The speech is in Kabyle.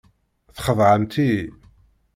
Txedɛemt-iyi.